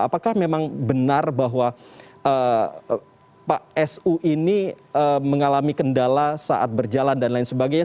apakah memang benar bahwa pak su ini mengalami kendala saat berjalan dan lain sebagainya